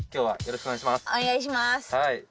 はい。